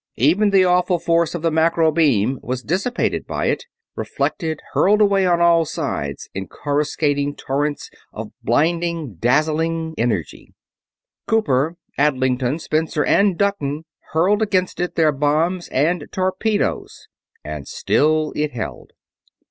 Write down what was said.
Even the awful force of the macro beam was dissipated by it reflected, hurled away on all sides in coruscating torrents of blinding, dazzling energy. Cooper, Adlington, Spencer, and Dutton hurled against it their bombs and torpedoes and still it held.